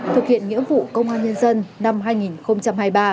thực hiện nghĩa vụ công an nhân dân năm hai nghìn hai mươi ba